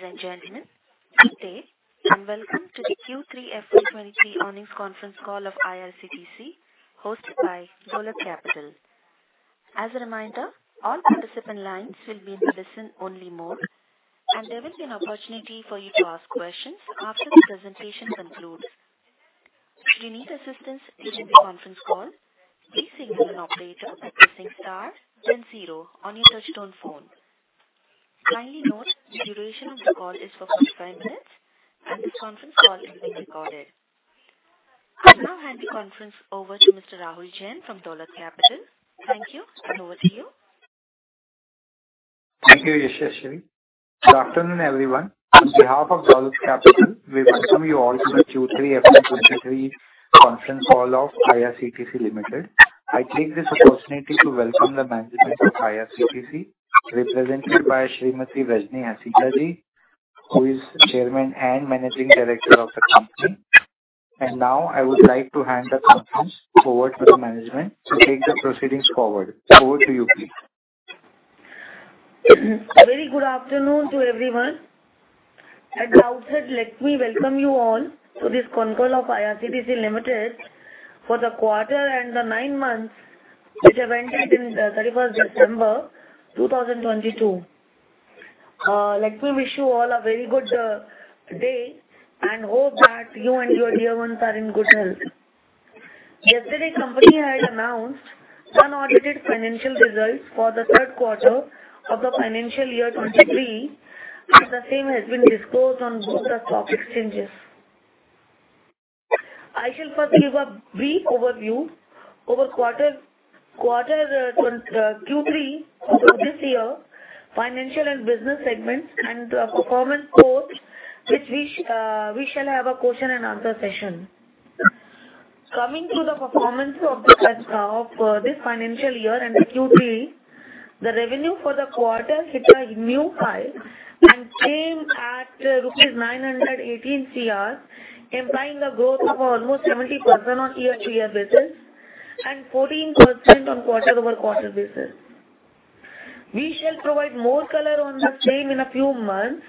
Ladies and gentlemen, good day and welcome to the Q3 FY 2023 Earnings Conference Call of IRCTC hosted by Dolat Capital. As a reminder, all participant lines will be in listen only mode, and there will be an opportunity for you to ask questions after the presentation concludes. If you need assistance during the conference call, please signal an operator by pressing star then zero on your touchtone phone. Kindly note the duration of the call is for 45 minutes, and this conference call is being recorded. I'll now hand the conference over to Mr. Rahul Jain from Dolat Capital. Thank you and over to you. Thank you, Yashaswini. Good afternoon, everyone. On behalf of Dolat Capital, we welcome you all to the Q3 FY 2023 Conference Call of IRCTC Limited. I take this opportunity to welcome the management of IRCTC, represented by Srimati Rajni Hasija, who is Chairman and Managing Director of the company. Now I would like to hand the conference over to the management to take the proceedings forward. Over to you, please. Very good afternoon to everyone. At the outset, let me welcome you all to this conference call of IRCTC Limited for the quarter and the nine months which evented in 31st December 2022. Let me wish you all a very good day and hope that you and your dear ones are in good health. Yesterday, company had announced unaudited financial results for the Q3 of the financial year 2023, and the same has been disclosed on both the stock exchanges. I shall first give a brief overview over quarter Q3 of this year, financial and business segments and performance goals, which we shall have a question and answer session. Coming to the performance of this financial year and the Q3, the revenue for the quarter hit a new high and came at rupees 918 crore, implying a growth of almost 70% on year-over-year basis and 14% on quarter-over-quarter basis. We shall provide more color on the same in a few months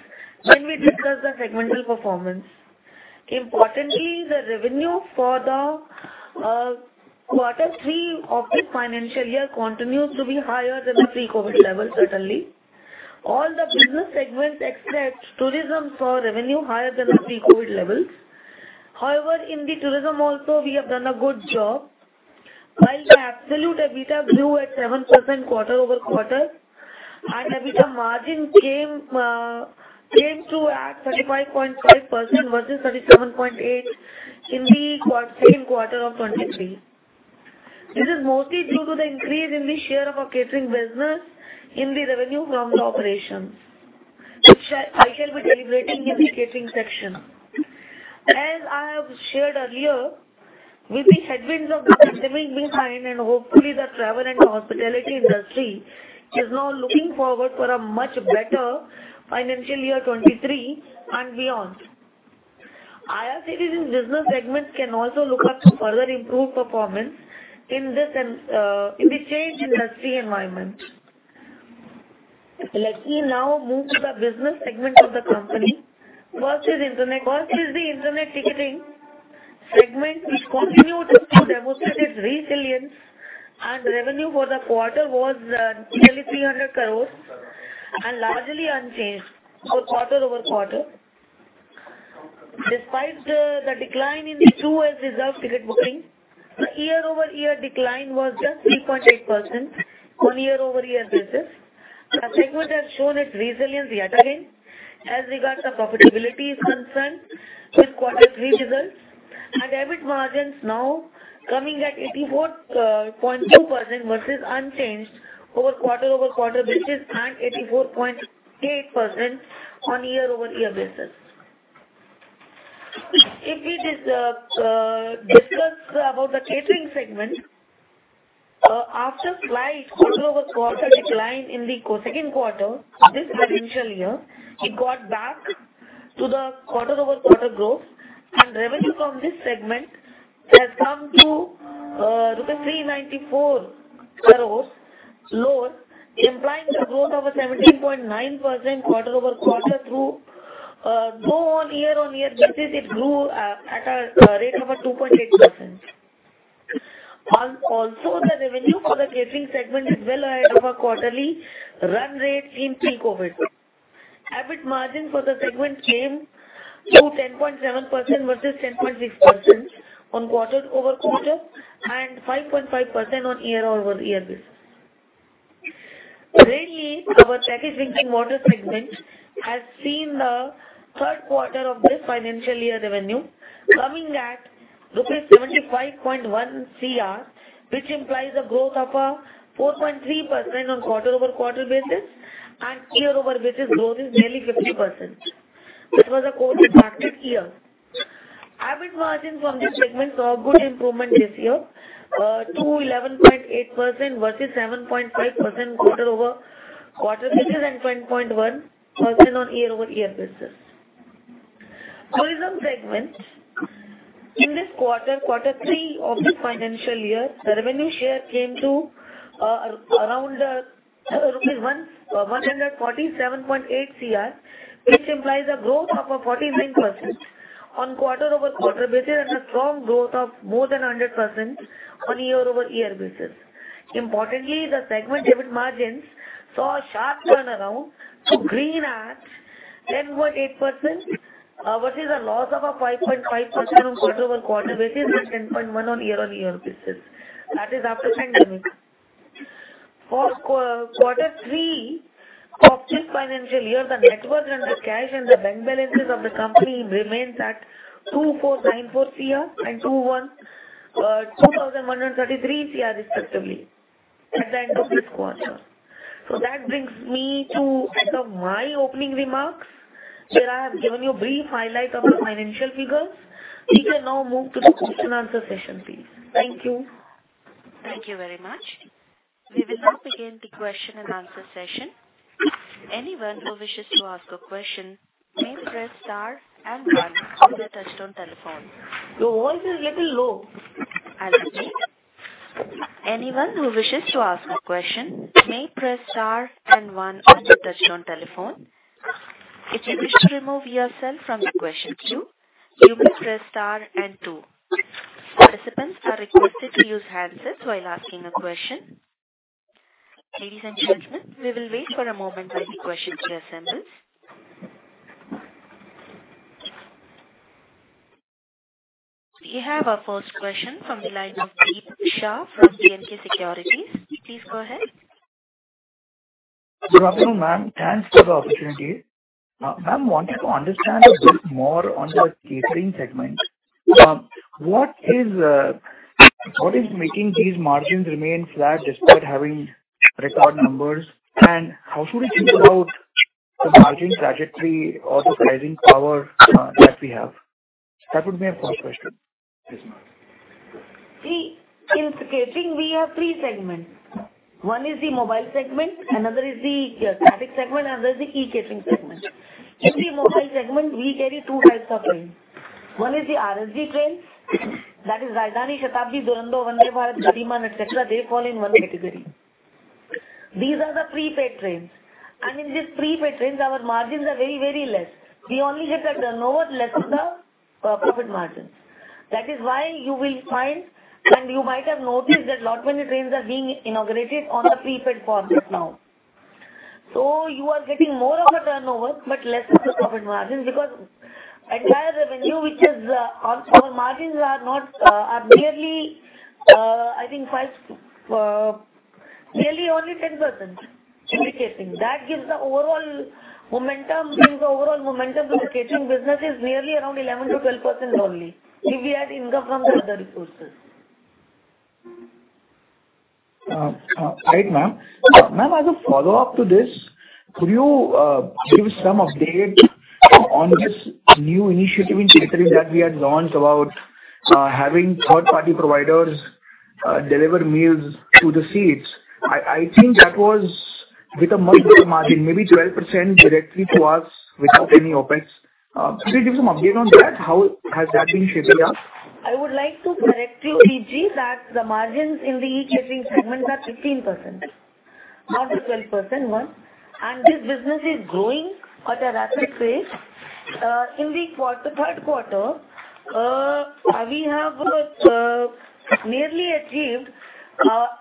when we discuss the segmental performance. Importantly, the revenue for the Q3 of this financial year continues to be higher than the pre-COVID levels, certainly. All the business segments except tourism saw revenue higher than the pre-COVID levels. However, in the tourism also we have done a good job. While the absolute EBITDA grew at 7% quarter-over-quarter and EBITDA margin came at 35.5% versus 37.8% in the Q2 of 2023. This is mostly due to the increase in the share of our catering business in the revenue from the operations, which I shall be elaborating in the catering section. As I have shared earlier, with the headwinds of the pandemic behind and hopefully the travel and hospitality industry is now looking forward for a much better financial year 2023 and beyond. IRCTC's business segments can also look up to further improve performance in the changed industry environment. Let me now move to the business segment of the company. First is the internet ticketing segment, which continued to demonstrate its resilience and revenue for the quarter was nearly 300 crores and largely unchanged for quarter-over-quarter. Despite the decline in through as reserved ticket booking, the year-over-year decline was just 3.8% on year-over-year basis. The segment has shown its resilience yet again as regards the profitability is concerned with Q3 results and EBIT margins now coming at 84.2% versus unchanged over quarter-over-quarter basis and 84.8% on year-over-year basis. If we discuss about the catering segment, after slight quarter-over-quarter decline in the Q2 of this financial year, it got back to the quarter-over-quarter growth and revenue from this segment has come to rupees 394 crores, lower, implying a growth of 17.9% quarter-over-quarter though on year-on-year basis it grew at a rate of 2.8%. Also the revenue for the catering segment is well ahead of our quarterly run rate in pre-COVID. EBIT margin for the segment came to 10.7% versus 10.6% on quarter-over-quarter and 5.5% on year-over-year basis. Really, our packaged drinking water segment has seen the third quarter of this financial year revenue coming at rupees 75.1 CR, which implies a growth of 4.3% on quarter-over-quarter basis and year over basis growth is nearly 50%. This was a COVID affected year. EBIT margin from this segment saw good improvement this year to 11.8% versus 7.5% quarter-over-quarter basis and 10.1% on year-over-year basis. Tourism segment. In this quarter three of this financial year, the revenue share came to around rupees 147.8 CR, which implies a growth of 49% on quarter-over-quarter basis, and a strong growth of more than 100% on year-over-year basis. Importantly, the segment EBIT margins saw a sharp turnaround to green at 10.8% versus a loss of 5.5% on quarter-over-quarter basis and 10.1% on year-over-year basis. That is after pandemic. For quarter three of this financial year, the net worth and the cash and the bank balances of the company remains at 2,494 CR and 2,133 CR respectively at the end of this quarter. That brings me to end of my opening remarks, where I have given you a brief highlight of the financial figures. We can now move to the question answer session, please. Thank you. Thank you very much. We will now begin the question and answer session. Anyone who wishes to ask a question may press star and one on their touchtone telephone. Your voice is little low. I repeat. Anyone who wishes to ask a question may press star and one on their touchtone telephone. If you wish to remove yourself from the question queue, you may press star and two. Participants are requested to use handsets while asking a question. Ladies and gentlemen, we will wait for a moment while the questions reassemble. We have our first question from the line of Deep Shah from B&K Securities. Please go ahead. Good afternoon, ma'am. Thanks for the opportunity. Ma'am, wanted to understand a bit more on the catering segment. What is making these margins remain flat despite having record numbers? How should we think about the margin trajectory or the pricing power that we have? That would be my first question. Yes, ma'am. In catering we have three segments. One is the mobile segment, another is the static segment, another is the e-catering segment. In the mobile segment, we carry two types of trains. One is the RSD trains. Rajdhani, Shatabdi, Duronto, Vande Bharat, Gatimaan, et cetera. They fall in one category. These are the prepaid trains. In these prepaid trains, our margins are very, very less. We only get the turnover less the profit margin. You will find, you might have noticed that lot many trains are being inaugurated on a prepaid form right now. You are getting more of a turnover, less of the profit margins, because entire revenue, which is, our margins are not merely, I think five, merely only 10% in e-catering. That gives the overall momentum. Gives the overall momentum to the catering business is merely around 11% to 12% only if we add income from the other sources. Right, Ma'am. Ma'am, as a follow-up to this, could you give some update on this new initiative in catering that we had launched about having third-party providers deliver meals to the seats. I think that was with a much better margin, maybe 12% directly to us without any OpEx. Could you give some update on that? How has that been shaping up? I would like to correct you, PG, that the margins in the e-catering segment are 15%, not the 12% one. This business is growing at a rapid pace. In the Q3, we have nearly achieved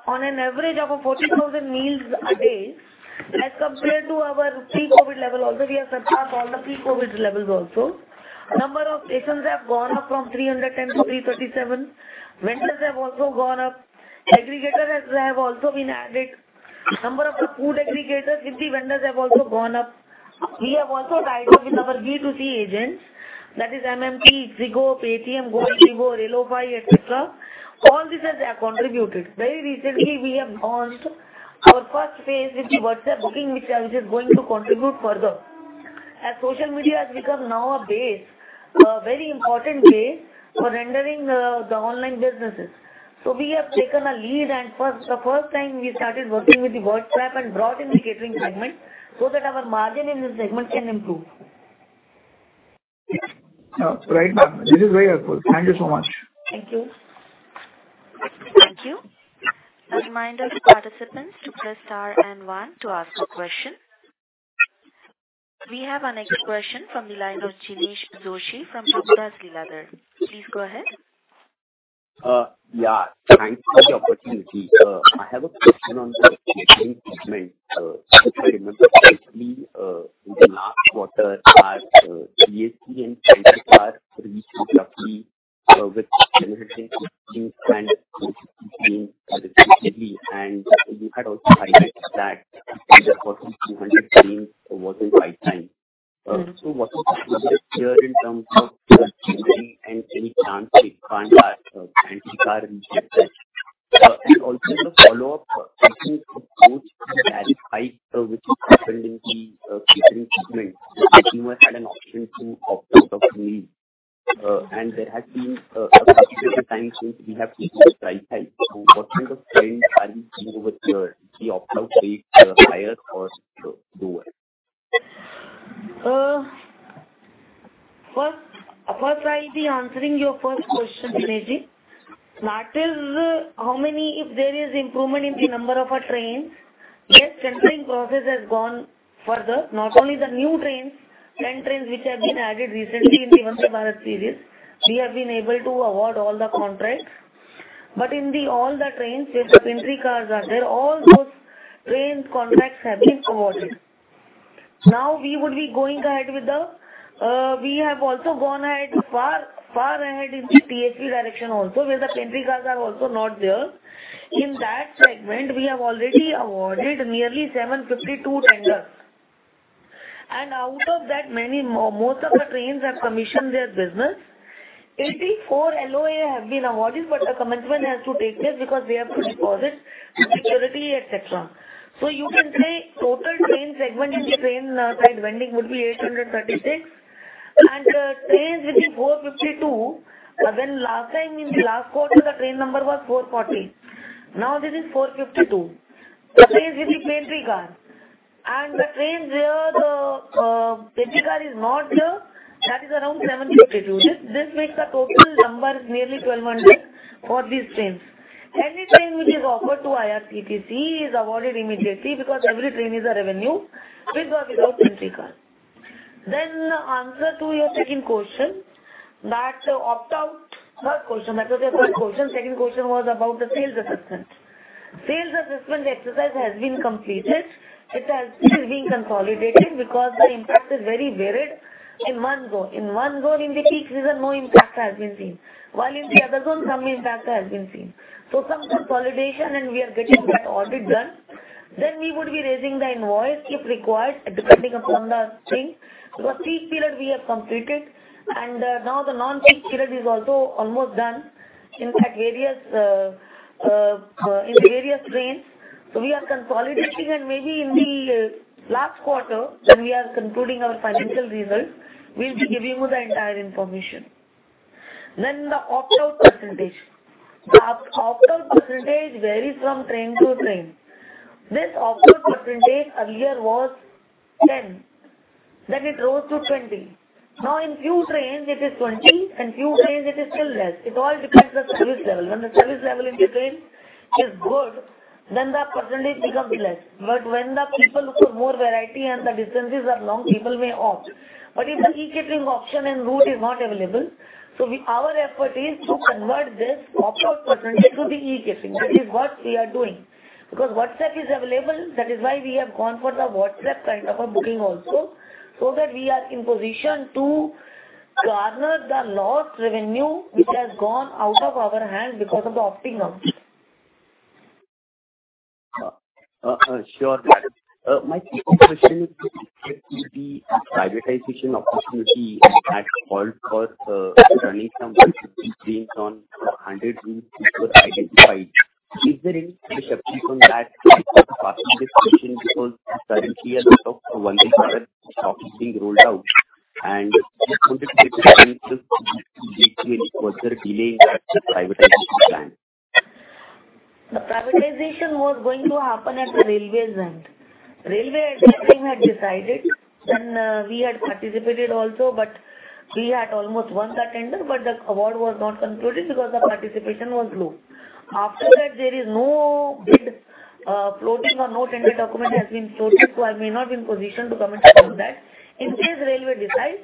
on an average of 40,000 meals a day as compared to our pre-COVID level. Also, we have surpassed all the pre-COVID levels also. Number of stations have gone up from 310 to 337. Vendors have also gone up. Aggregators have also been added. Number of the food aggregators with the vendors have also gone up. We have also tied up with our B2C agents. That is MMP, Swiggy, Paytm, Goibibo, Relipay, et cetera. All these have contributed. Very recently we have launched our first phase with the WhatsApp booking, which I was just going to contribute further. As social media has become now a base, a very important base for rendering, the online businesses. We have taken a lead, and the first time we started working with the WhatsApp and brought in the catering segment, so that our margin in this segment can improve. Right, ma'am. This is very helpful. Thank you so much. Thank you. Thank you. A reminder to participants to press star and one to ask a question. We have our next question from the line of Jinesh Joshi from Prabhudas Lilladher. Please go ahead. Yeah, thanks for the opportunity. I have a question on the catering segment. If I remember correctly, in the last quarter, our ESP and pantry car reached roughly with generation 15 and 23 respectively, and you had also highlighted that almost 200 trains were on right time. What is the position here in terms of the recovery and any plans to expand our pantry car reach? Also as a follow-up, can you approach the tariff hike which was happened in the catering segment if IRCTC had an option to opt out of meals? There has been a considerable time since we have seen this title. What kind of trend are we seeing with the opt-out rate, higher or lower? First I'll be answering your first question, Jinesh Joshi. That is how many, if there is improvement in the number of our trains, yes, tendering process has gone further. Not only the new trains, 10 trains which have been added recently in the Vande Bharat series, we have been able to award all the contracts. In the all the trains, if the pantry cars are there, all those trains contracts have been awarded. Now, we would be going ahead with the, we have also gone ahead far ahead in the [PHE] direction also, where the pantry cars are also not there. In that segment, we have already awarded nearly 752 tenders. Out of that many, most of the trains have commissioned their business. 84 LOA have been awarded, the commencement has to take place because they have to deposit security, etc. You can say total train segment in the train side vending would be 836. Trains will be 452. Last time, in the last quarter, the train number was 440. Now this is 452. The trains with the pantry car. The trains where the pantry car is not there, that is around 752. This makes the total number nearly 1,200 for these trains. Any train which is offered to IRCTC is awarded immediately because every train is a revenue, with or without pantry car. Answer to your second question, Third question. That was your third question. Second question was about the sales assessment. Sales assessment exercise has been completed. It is being consolidated because the impact is very varied in one zone. In one zone, in the peak season, no impact has been seen. In the other zone, some impact has been seen. Some consolidation, and we are getting that audit done. We would be raising the invoice if required, depending upon the thing. Peak period we have completed, and now the non-peak period is also almost done. In the various trains. We are consolidating, and maybe in the last quarter when we are concluding our financial results, we'll be giving you the entire information. The opt-out percentage. The opt-out percentage varies from train to train. This opt-out percentage earlier was 10, it rose to 20. In few trains it is 20, in few trains it is still less. It all depends on service level. When the service level in the train is good, then the percentage becomes less. When the people look for more variety and the distances are long, people may opt. If the e-catering option and route is not available, our effort is to convert this opt-out percentage to the e-catering. That is what we are doing. WhatsApp is available, that is why we have gone for the WhatsApp kind of a booking also, that we are in position to garner the lost revenue which has gone out of our hands because of the opting out. Sure. My key question is if the privatization opportunity has called for running some Vande Bharat trains on 100 routes which were identified. Is there any disruption from that? Because of asking this question, because currently as we talk, Vande Bharat is being rolled out. I just wanted to get your sense of is this leading to any further delay in the privatization plan? The privatization was going to happen at the Railway end. Railway and catering had decided, then, we had participated also, but we had almost won the tender, but the award was not concluded because the participation was low. After that, there is no bid floating or no tender document has been floated. I may not be in position to comment on that. In case Railway decides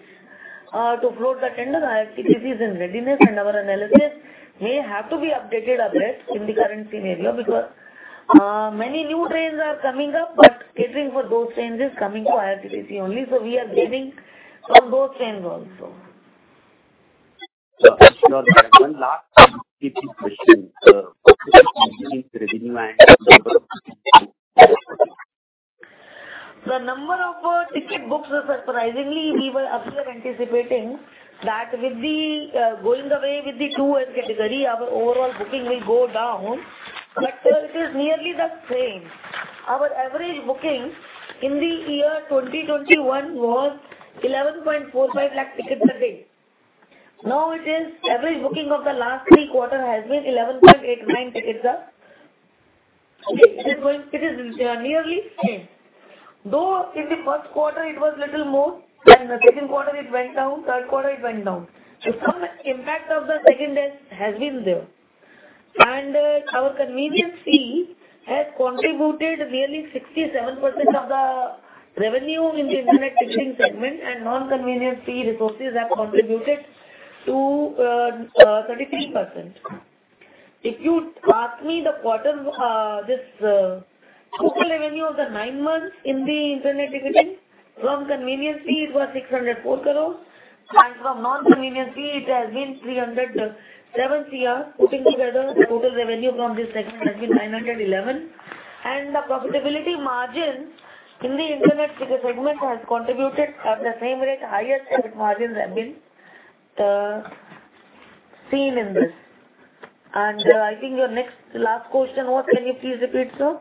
to float the tender, IRCTC is in readiness, and our analysis may have to be updated afresh in the current scenario because many new trains are coming up, but catering for those trains is coming to IRCTC only. We are gaining from those trains also. Sure. One last question. What is the company's revenue and number of ticket books? The number of ticket books was surprisingly, we were earlier anticipating that with the going away with the 2S category, our overall booking will go down. It is nearly the same. Our average booking in the year 2021 was 11.45 lakh tickets a day. Now it is average booking of the last three quarters has been 11.89 tickets a day. It is nearly same. In the Q1 it was little more, then the Q2 it went down, Q3 it went down. Some impact of the H2 has been there. Our convenience fee has contributed nearly 67% of the revenue in the internet ticketing segment, and non-convenience fee resources have contributed to 33%. If you ask me the quarter, this total revenue of the nine months in the internet ticketing, from convenience fee it was 604 crores, and from non-convenience fee it has been 307 crores. Putting together the total revenue from this segment has been 911 crores. The profitability margin in the internet ticket segment has contributed at the same rate, highest ever margins have been Seen in this. I think your next, last question was, can you please repeat, sir?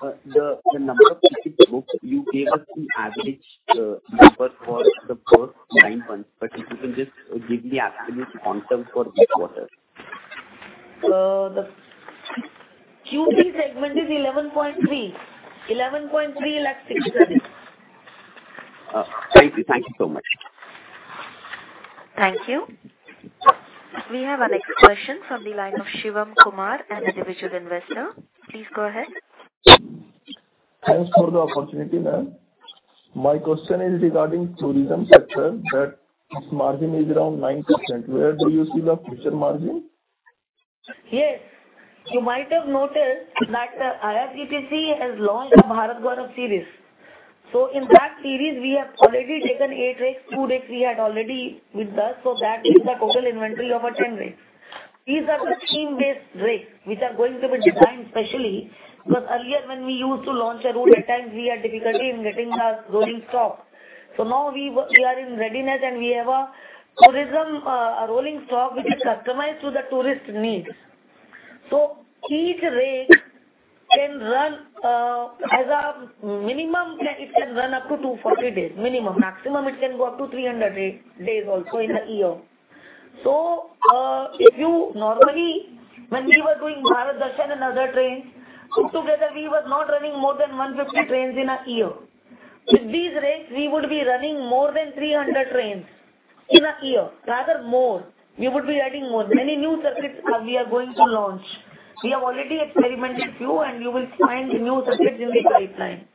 The number of booked. You gave us the average number for the first nine months, but if you can just give the absolute quantum for each quarter. The Q3 segment is 11.3 lakh seats are there. Thank you. Thank you so much. Thank you. We have our next question from the line of Shivam Kumar, an individual investor. Please go ahead. Thanks for the opportunity, ma'am. My question is regarding tourism sector, that its margin is around 9%. Where do you see the future margin? Yes. You might have noticed that IRCTC has launched a Bharat Gaurav series. In that series, we have already taken eight rakes, two rakes we had already with us, that is the total inventory of our 10 rakes. These are the theme-based rakes which are going through a design specially, because earlier when we used to launch a route, at times we had difficulty in getting our rolling stock. Now we are in readiness, and we have a tourism rolling stock which is customized to the tourist needs. Each rake can run as a minimum it can run up to 240 days, minimum. Maximum it can go up to 300 days also in a year. Normally, when we were doing Bharat Darshan and other trains, put together we were not running more than 150 trains in a year. With these rakes, we would be running more than 300 trains in a year, rather more. We would be adding more. Many new circuits, we are going to launch. We have already experimented few and you will find the new circuits in the pipeline.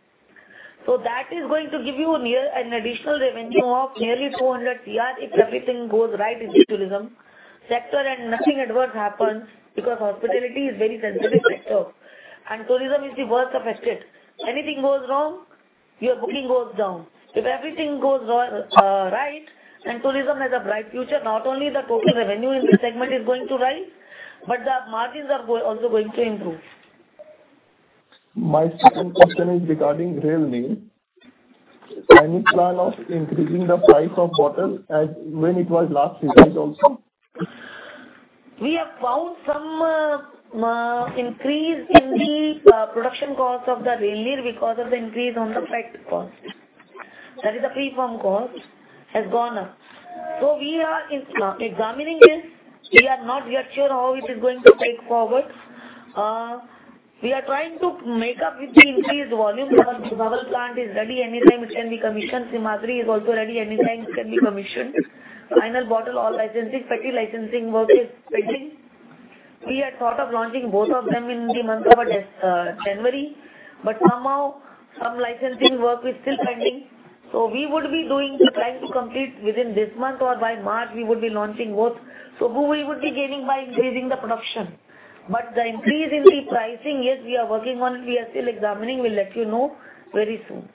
That is going to give you an additional revenue of nearly 200 CR if everything goes right in the tourism sector and nothing adverse happens, because hospitality is very sensitive sector and tourism is the worst affected. Anything goes wrong, your booking goes down. If everything goes right, then tourism has a bright future. Not only the total revenue in this segment is going to rise, but the margins are also going to improve. My second question is regarding Rail Neer. Any plan of increasing the price of bottle as when it was last revised also? We have found some increase in the production cost of the Rail Neer because of the increase on the pet cost. That is the preform cost has gone up. We are examining this. We are not yet sure how it is going to take forward. We are trying to make up with the increased volume. Our Bhusawal plant is ready. Anytime it can be commissioned. Simhadri is also ready. Anytime it can be commissioned. Final bottle, all licensing, factory licensing work is pending. We had thought of launching both of them in the month of January, but somehow some licensing work is still pending. We would be trying to complete within this month or by March we would be launching both. We will be gaining by increasing the production. The increase in the pricing, yes, we are working on, we are still examining. We'll let you know very soon.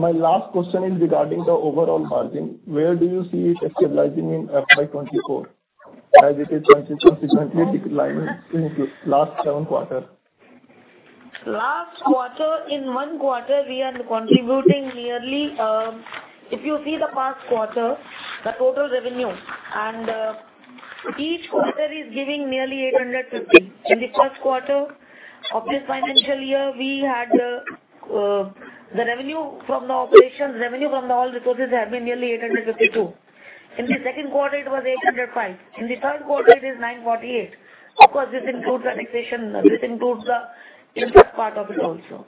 My last question is regarding the overall margin. Where do you see it stabilizing in FY 2024? As it is consistently declining in the last seven quarter. Last quarter, in one quarter we are contributing nearly, if you see the past quarter, the total revenue and each quarter is giving nearly 850. In the Q1 of this financial year, we had the revenue from the operations, revenue from the all resources have been nearly 852. In the Q2 it was 805. In the Q3 it is 948. Of course, this includes the taxation. This includes the interest part of it also.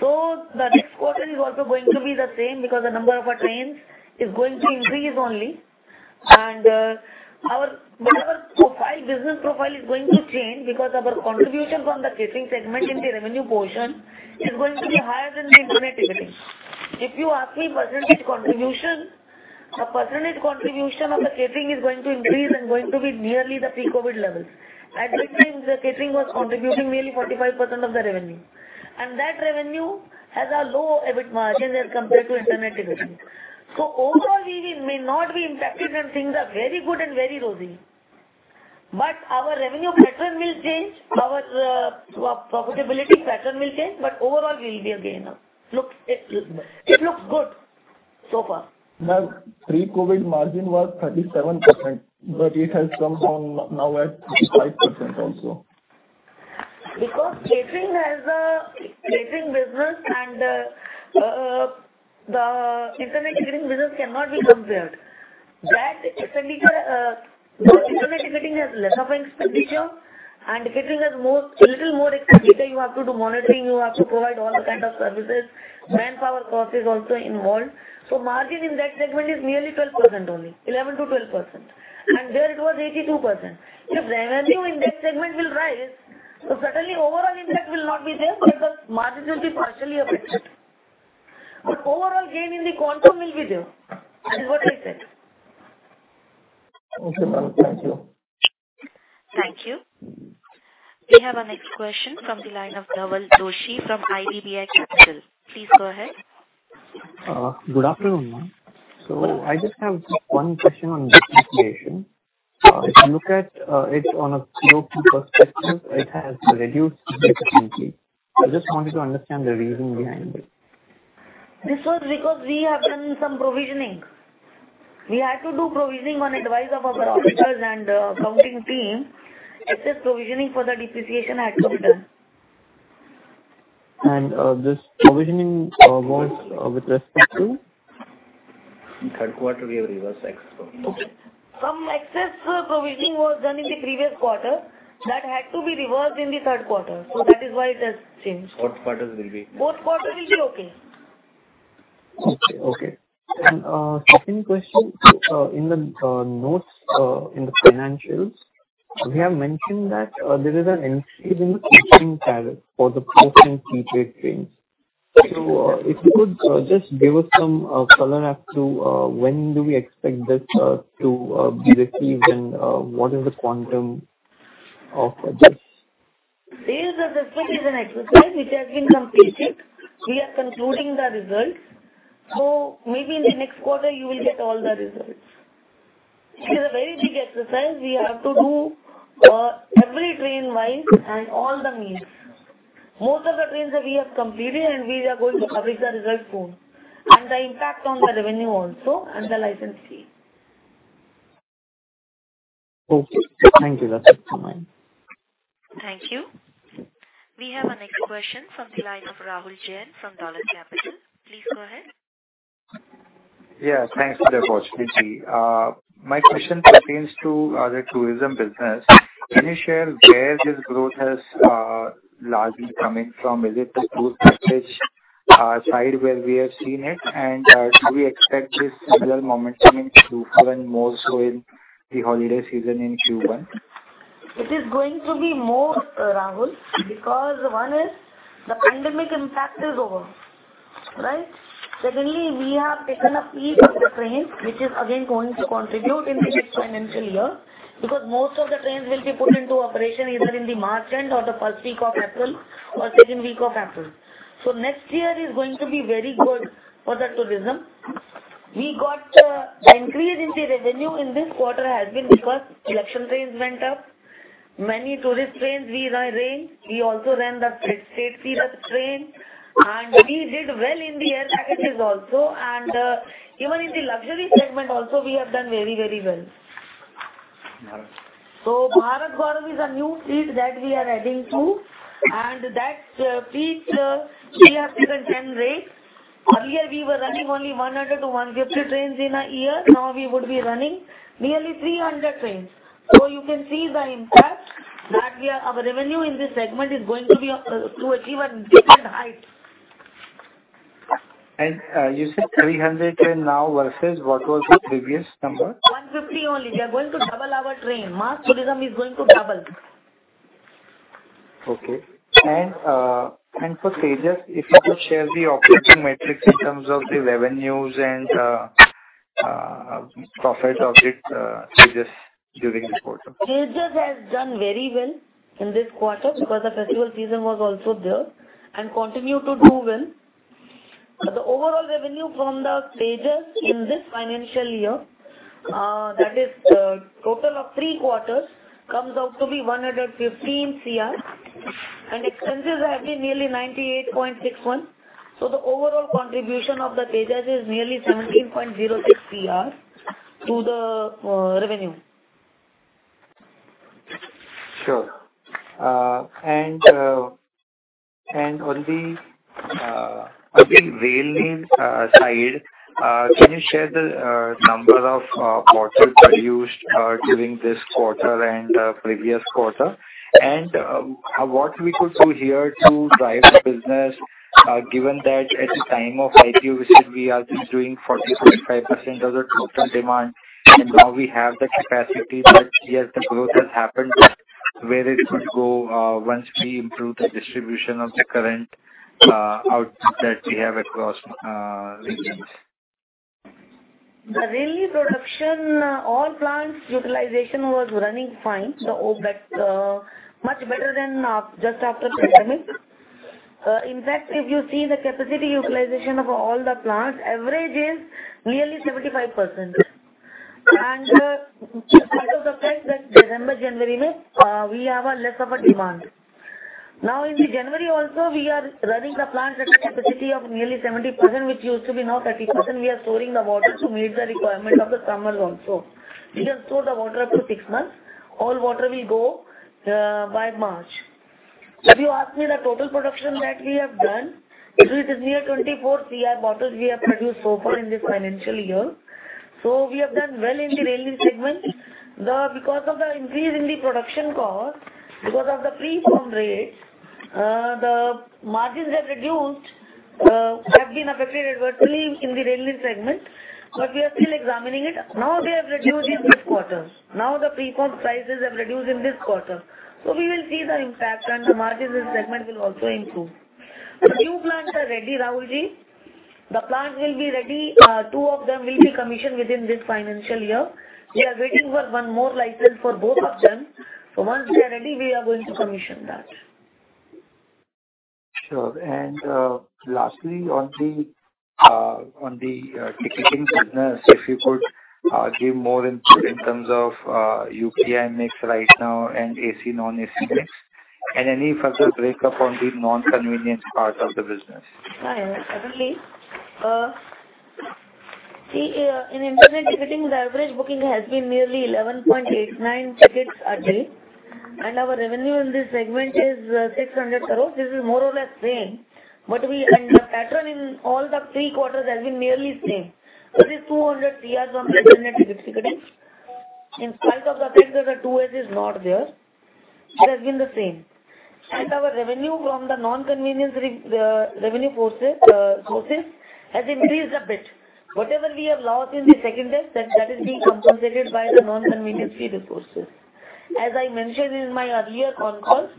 The next quarter is also going to be the same because the number of our trains is going to increase only. But our profile, business profile is going to change because our contribution from the catering segment in the revenue portion is going to be higher than the internet ticketing. If you ask me percentage contribution, the percentage contribution of the catering is going to increase and going to be nearly the pre-COVID levels. At that time, the catering was contributing nearly 45% of the revenue. That revenue has a low EBIT margin as compared to internet ticketing. Overall we may not be impacted and things are very good and very rosy. Our revenue pattern will change. Our profitability pattern will change, but overall we'll be a gainer. It looks good so far. Ma'am, pre-COVID margin was 37%. It has come down now at 35% also. Catering business and the internet ticketing business cannot be compared. That expenditure, the internet ticketing has less of an expenditure and catering has more, a little more expenditure. You have to do monitoring, you have to provide all kind of services. Manpower cost is also involved. Margin in that segment is nearly 12% only, 11% to 12%. There it was 82%. If revenue in that segment will rise, certainly overall impact will not be there because margin will be partially affected. Overall gain in the quantum will be there. That is what I said. Okay, ma'am. Thank you. Thank you. We have our next question from the line of Dhawal Doshi from IDBI Capital. Please go ahead. Good afternoon, ma'am. I just have one question on debt acceleration. If you look at it on a CO2 perspective, it has reduced significantly. I just wanted to understand the reason behind it. This was because we have done some provisioning. We had to do provisioning on advice of our auditors and accounting team. Excess provisioning for the depreciation had to be done. This provisioning was with respect to? In Q3 we have reversed excess provisioning. Some excess provisioning was done in the previous quarter that had to be reversed in the Q3. That is why it has changed. Q4 will be- Q4 will be okay. Okay. Okay. Second question. In the notes, in the financials, we have mentioned that there is an increase in the coaching tariff for the coach and seat rate trains. If you could just give us some color as to when do we expect this to be received and what is the quantum of this? This is an exercise which has been completed. We are concluding the results. Maybe in the next quarter you will get all the results. It is a very big exercise. We have to do every train line and all the means. Most of the trains we have completed, and we are going to publish the results soon. The impact on the revenue also and the license fee. Okay. Thank you. That's it from my end. Thank you. We have our next question from the line of Rahul Jain from Dolat Capital. Please go ahead. Yeah, thanks for the opportunity. My question pertains to the tourism business. Can you share where this growth has largely coming from? Is it the tour package side where we have seen it? Should we expect this similar momentum even more so in the holiday season in Q1? It is going to be more, Rahul, because one is the pandemic impact is over, right? We have taken a fleet of the trains, which is again going to contribute in the next financial year, because most of the trains will be put into operation either in the March end or the first week of April or second week of April. Next year is going to be very good for the tourism. We got, the increase in the revenue in this quarter has been because election trains went up. Many tourist trains we ran. We also ran the Free State tourist train, we did well in the air packages also. Even in the luxury segment also, we have done very, very well. Bharat. Bharat Gaurav is a new fleet that we are adding to. That fleet, we have taken 10 rakes. Earlier, we were running only 100 to 150 trains in a year. Now we would be running nearly 300 trains. You can see the impact that our revenue in this segment is going to be to achieve a different height. You said 300 train now versus what was the previous number? 150 only. We are going to double our train. Mass tourism is going to double. Okay. For Tejas, if you could share the operating metrics in terms of the revenues and profit of it, Tejas during this quarter. Tejas has done very well in this quarter because the festival season was also there and continue to do well. The overall revenue from the Tejas in this financial year, total of three quarters, comes out to be 115 CR, and expenses have been nearly 98.61 CR. The overall contribution of the Tejas is nearly 17.06 CR to the revenue. Sure. On the again, Rail Neer side, can you share the number of bottles produced during this quarter and previous quarter? What we could do here to drive the business, given that at the time of IPO we said we are just doing 40% to 45% of the total demand, and now we have the capacity that, yes, the growth has happened, where it could go, once we improve the distribution of the current output that we have across regions. The Rail Neer production, all plants utilization was running fine. The OPEX, much better than just after pandemic. In fact, if you see the capacity utilization of all the plants, average is nearly 75%. Out of the fact that December, January month, we have a less of a demand. Now in the January also we are running the plant at a capacity of nearly 70%, which used to be now 30%. We are storing the water to meet the requirement of the summer also. We can store the water up to six months. All water will go by March. If you ask me the total production that we have done, it is near 24 cr bottles we have produced so far in this financial year. We have done well in the Rail Neer segment. Because of the increase in the production cost, because of the LPG rates, the margins have reduced, have been affected adversely in the Rail Neer segment, we are still examining it. Now they have reduced in this quarter. Now the LPG prices have reduced in this quarter. We will see the impact and the margins in segment will also improve. The new plants are ready, Rahul Jain. The plant will be ready, two of them will be commissioned within this financial year. We are waiting for one more license for both of them. Once they are ready, we are going to commission that. Sure. Lastly, on the ticketing business, if you could give more in terms of UPI mix right now and AC, non-AC mix. Any further breakup on the non-convenience part of the business? Yeah. Certainly. See, in internet ticketing, the average booking has been nearly 11.89 tickets a day, our revenue in this segment is 600 crores. This is more or less same. The pattern in all the three quarters has been nearly same. This 200 crores on the internet ticket ticketing. In spite of the fact that the 2S is not there, it has been the same. Our revenue from the non-convenience revenue sources has increased a bit. Whatever we have lost in the 2S, that is being compensated by the non-convenience fee resources. As I mentioned in my earlier con calls,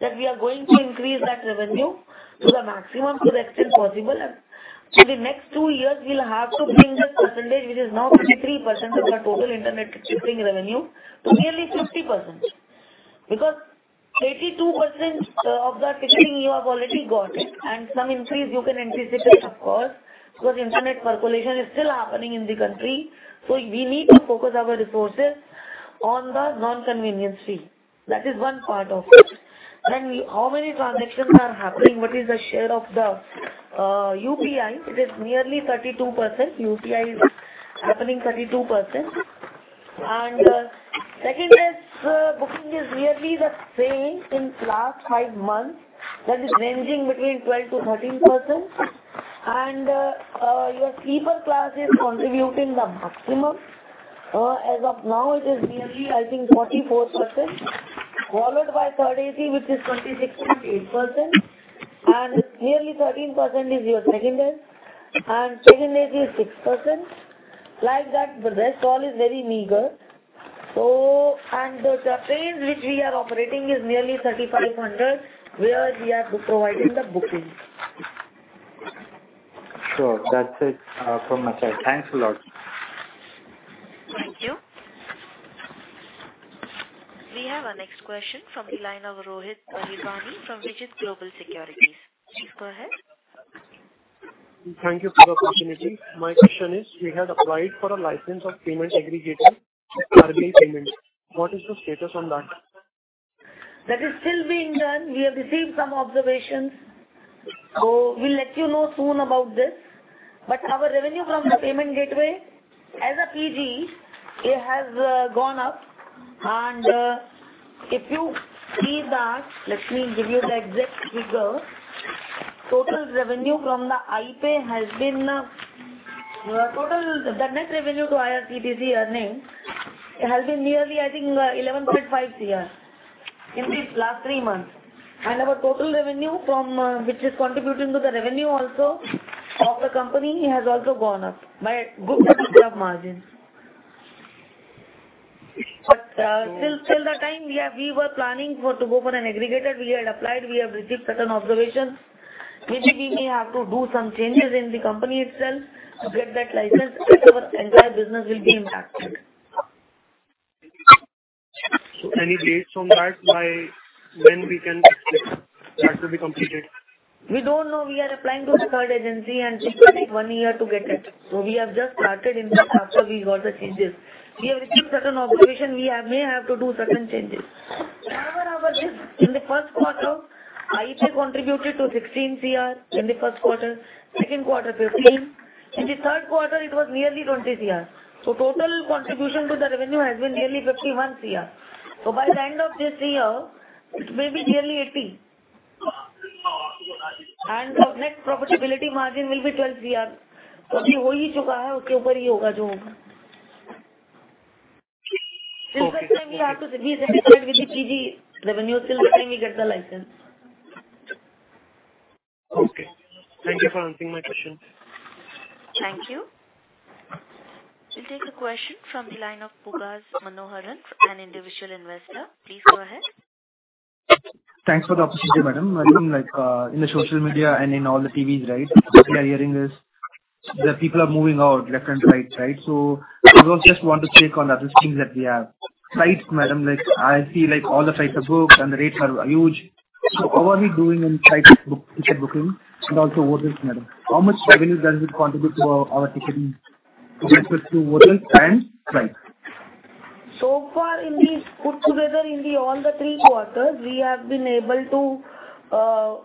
that we are going to increase that revenue to the maximum, to the extent possible. For the next two years, we'll have to bring this percentage, which is now 33% of our total internet ticketing revenue, to nearly 50%. Because 82% of the ticketing you have already got it, and some increase you can anticipate it, of course, because internet percolation is still happening in the country. We need to focus our resources on the non-convenience fee. That is one part of it. How many transactions are happening? What is the share of the UPI? It is nearly 32%. UPI is happening 32%. Second is booking is nearly the same in last five months. That is ranging between 12% to 13%. Your sleeper class is contributing the maximum. As of now, it is nearly, I think, 44%, followed by third AC, which is 26.8%, nearly 13% is your second class, train AC is 6%. Like that, the rest all is very meager. The trains which we are operating is nearly 3,500, where we are providing the bookings. Sure. That's it from my side. Thanks a lot. Thank you. We have our next question from the line of Rohit Bahirwani from Vijit Global Securities. Please go ahead. Thank you for the opportunity. My question is, we had applied for a license of payment aggregator, RBI payments. What is the status on that? That is still being done. We have received some observations. We'll let you know soon about this. Our revenue from the payment gateway, as a PG, it has gone up. Let me give you the exact figure. Total revenue from the iPay has been, the net revenue to IRCTC earnings has been nearly, I think, 11.5 CR in these last three months. Our total revenue from, which is contributing to the revenue also of the company, has also gone up by good bit of margins. Till the time to go for an aggregator, we had applied, we have received certain observations, which we may have to do some changes in the company itself to get that license, and our entire business will be impacted. Any dates on that, by when we can expect that to be completed? We don't know. We are applying to the third agency, it will take one year to get it. We have just started in that after we got the changes. We have received certain observations, may have to do certain changes. However, In the Q1, iPay contributed to INR 16 crore in the Q1, Q2 13 crore. In the Q3, it was nearly 20 crore. Total contribution to the revenue has been nearly 51 crore. By the end of this year, it may be nearly INR 80 crore. Our net profitability margin will be INR 12 crore. Till the time we have to be satisfied with the PG revenue, till the time we get the license. Okay. Thank you for answering my questions. Thank you. We'll take a question from the line of Pugazh Manoharan, an individual investor. Please go ahead. Thanks for the opportunity, madam. I think, like, in the social media and in all the TVs, right, what we are hearing is that people are moving out left and right? I just want to check on the other things that we have. Flights, madam, like, I see, like, all the flights are booked and the rates are huge. How are we doing in flight bookings and also hotels, madam? How much revenue does it contribute to our ticketing business through hotels and flights? Far in the put together in the all the three quarters, we have been able to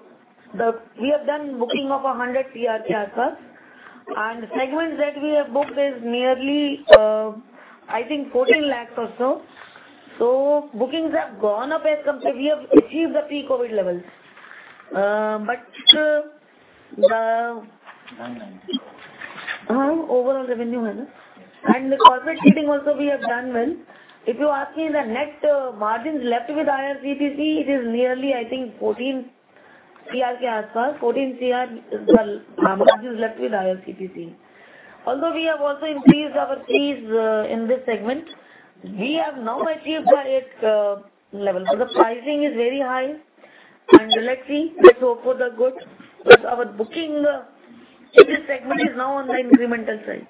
We have done booking of 100 crore till now. Segments that we have booked is nearly, I think, 14 lakhs or so. Bookings have gone up as compared We have achieved the pre-COVID levels. Nine, nine. Overall revenue. The corporate seating also we have done well. If you ask me the net margins left with IRCTC, it is nearly, I think, 14 crore, around 14 crore is the margins left with IRCTC. We have also increased our fees in this segment, we have now achieved the 8 level. The pricing is very high. Let's see. Let's hope for the good. Our booking in this segment is now on the incremental side.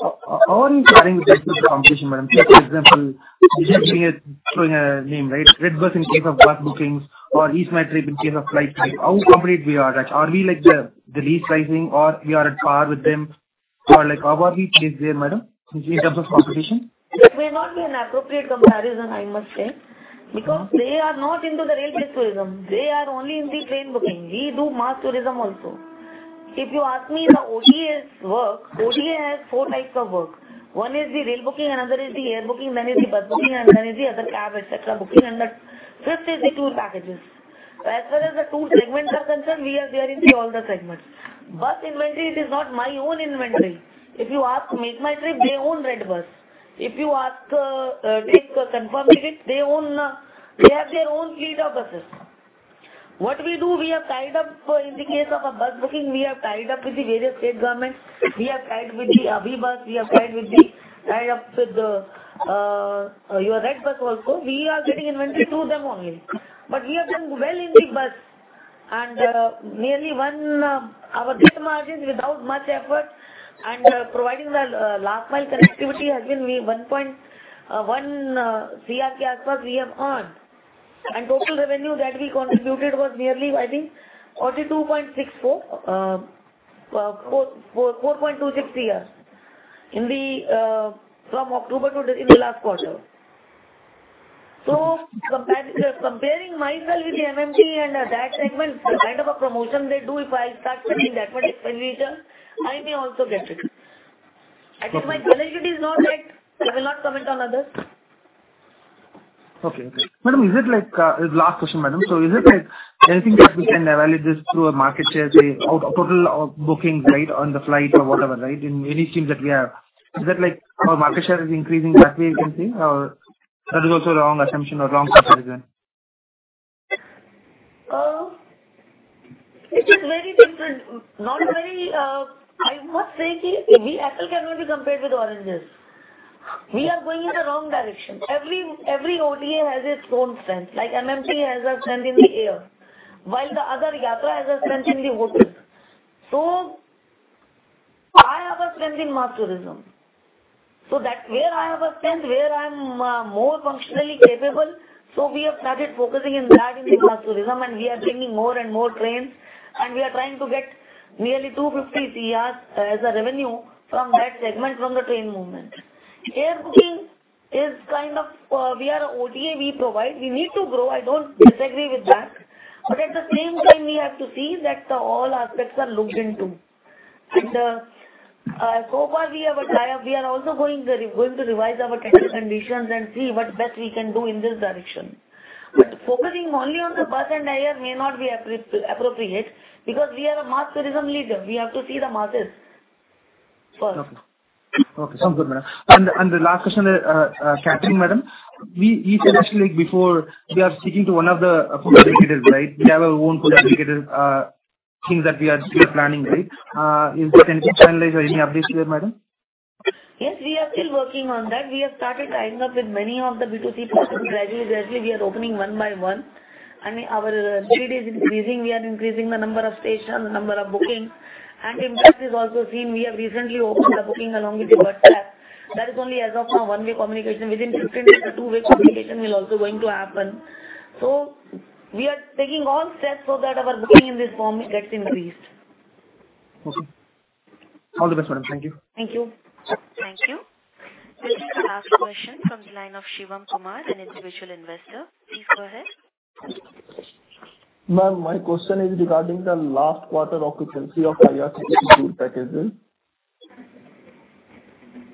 How are you faring with respect to the competition, madam? Just for example, we're just throwing a name, right? redBus in case of bus bookings or EaseMyTrip in case of flights. How competitive we are at? Are we, like, the least pricing or we are at par with them? Or like how are we placed there, madam, in terms of competition? That may not be an appropriate comparison, I must say, because they are not into the railway tourism. They are only in the train booking. We do mass tourism also. If you ask me the OTAs work, OTA has four types of work. One is the rail booking, another is the air booking, then is the bus booking, and then is the other cab, et cetera, booking. The fifth is the tour packages. As far as the tour segments are concerned, we are there in the all the segments. Bus inventory, it is not my own inventory. If you ask MakeMyTrip, they own redBus. If you ask, take ConfirmTkt, they own. They have their own fleet of buses. What we do, we are tied up, in the case of a bus booking, we are tied up with the various state governments. We are tied with the AbhiBus. We are tied up with your redBus also. We are getting inventory through them only. We are doing well in the bus and nearly one our net margin without much effort and providing the last mile connectivity has been we INR 1.1 CR case was we have earned. Total revenue that we contributed was nearly, I think, 4.26 CR. From October to the last quarter. Comparing myself with the MMT and that segment, the kind of a promotion they do, if I start spending that much expenditure, I may also get it. I think my strategy is not right. I will not comment on others. Okay, Madam. Last question, Madam. Is it like anything that we can evaluate this through a market share, say, out of total bookings, right, on the flight or whatever, right, in any schemes that we have? Is that like our market share is increasing that way you can see? That is also wrong assumption or wrong comparison? It is very different. Not very, I must say the apple cannot be compared with oranges. We are going in the wrong direction. Every OTA has its own strength. MMT has a strength in the air, while the other Yatra has a strength in the hotels. I have a strength in mass tourism. That's where I have a strength, where I'm more functionally capable. We have started focusing in that, in the mass tourism, and we are bringing more and more trains, and we are trying to get nearly 250 CR as a revenue from that segment, from the train movement. Air booking is kind of, we are OTA, we provide. We need to grow. I don't disagree with that. At the same time, we have to see that all aspects are looked into. So far we have a tie-up. We are also going to revise our terms and conditions and see what best we can do in this direction. Focusing only on the bus and air may not be appropriate, because we are a mass tourism leader. We have to see the masses first. Okay. Sounds good, madam. The last question, [catching,] madam. You suggested, like, before, we are speaking to one of the focus retailers, right? We have our own focus retailers, things that we are still planning, right? Is there anything to analyze or any updates there, Madam? Yes, we are still working on that. We have started tying up with many of the B2C platforms. Gradually, we are opening one by one. I mean, our speed is increasing. We are increasing the number of stations, the number of bookings. Impact is also seen. We have recently opened the booking along with the bus app. That is only as of now one-way communication. Within 15 days, the two-way communication will also going to happen. We are taking all steps so that our booking in this form gets increased. Okay. All the best, madam. Thank you. Thank you. Thank you. This is the last question from the line of Shivam Kumar, an individual investor. Please go ahead. Ma'am, my question is regarding the last quarter occupancy of IRCTC tour packages.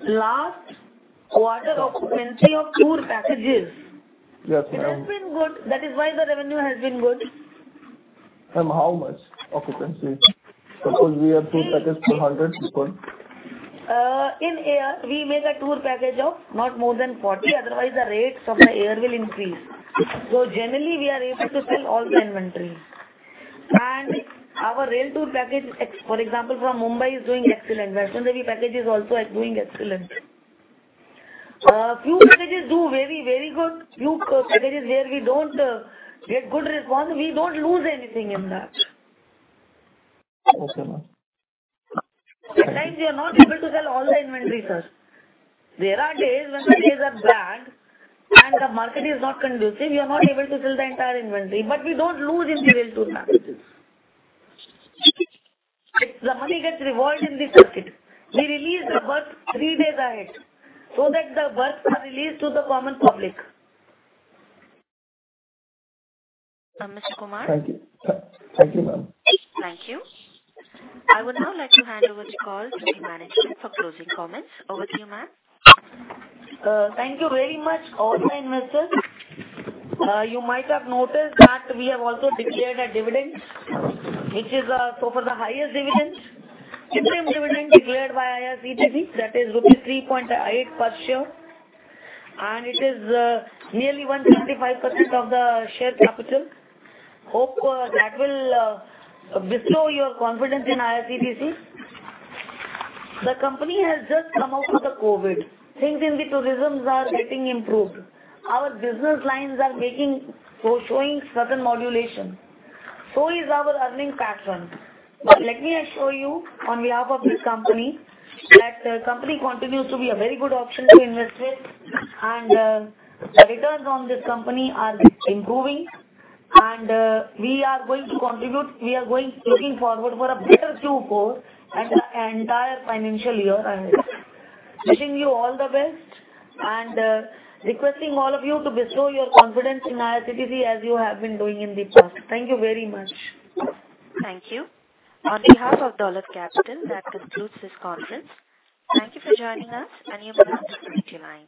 Last quarter occupancy of tour packages? Yes, ma'am. It has been good. That is why the revenue has been good. Ma'am, how much occupancy? Suppose we have tour package 200 people. In air we make a tour package of not more than 40, otherwise the rates of the air will increase. Generally, we are able to sell all the inventory. Our rail tour package, for example, from Mumbai is doing excellent. Vaishno Devi package is also doing excellent. Few packages do very, very good. Few packages where we don't get good response, we don't lose anything in that. Okay, ma'am. At times we are not able to sell all the inventory, sir. There are days when the days are bad and the market is not conducive, we are not able to sell the entire inventory, but we don't lose in the rail tour packages. The money gets revolved in the circuit. We release the berth three days ahead so that the berths are released to the common public. Mr. Kumar? Thank you. Thank you, ma'am. Thank you. I would now like to hand over the call to the management for closing comments. Over to you, ma'am. Thank you very much all the investors. You might have noticed that we have also declared a dividend, which is, so far the highest dividends, interim dividend declared by IRCTC, that is rupees 3.8 per share, and it is nearly 155% of the share capital. Hope that will bestow your confidence in IRCTC. The company has just come out of the COVID. Things in the tourisms are getting improved. Our business lines are showing certain modulation. Is our earnings pattern. Let me assure you on behalf of this company that the company continues to be a very good option to invest with, and the returns on this company are improving, and we are going to contribute. We are looking forward for a better Q4 and an entire financial year ahead. Wishing you all the best and, requesting all of you to bestow your confidence in IRCTC as you have been doing in the past. Thank you very much. Thank you. On behalf of Dolat Capital, that concludes this conference. Thank you for joining us, and you may now disconnect your line.